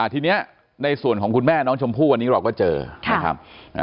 ทีนี้ในส่วนของคุณแม่น้องชมพู่วันนี้เราก็เจอนะครับ